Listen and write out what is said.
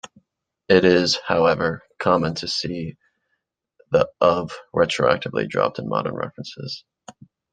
It is, however, common to see the "of" retroactively dropped in modern references.